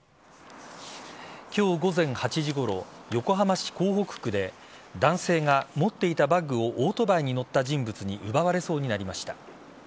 今日午前８時ごろ横浜市港北区で男性が持っていたバッグをオートバイに乗った人物に奪われそうになりました。